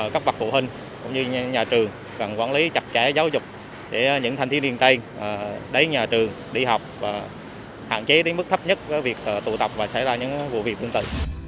các bậc phụ huynh cũng như nhà trường cần quản lý chặt chẽ giáo dục để những thanh thiếu niên tây đến nhà trường đi học và hạn chế đến mức thấp nhất việc tụ tập và xảy ra những vụ việc tương tự